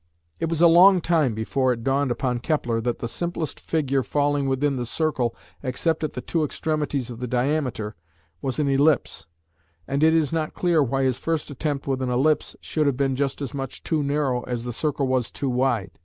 It was a long time before it dawned upon Kepler that the simplest figure falling within the circle except at the two extremities of the diameter, was an ellipse, and it is not clear why his first attempt with an ellipse should have been just as much too narrow as the circle was too wide.